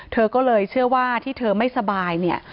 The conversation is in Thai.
เธอก็เลยเชื่อว่าที่เธอไม่สบายเนี่ย